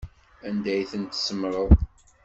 Anda ay ten-tsemmṛeḍ?